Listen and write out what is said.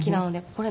これ。